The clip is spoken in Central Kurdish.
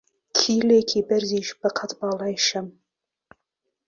کیلێکی بەرزیش بە قەت باڵای شەم